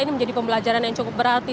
ini menjadi pembelajaran yang cukup berarti